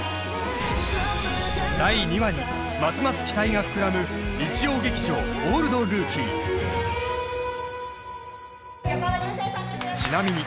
第２話にますます期待が膨らむ日曜劇場「オールドルーキー」ちなみに